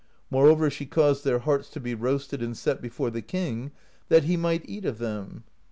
Moreover, she caused their hearts to be roasted and set before the king, that he might eat of them.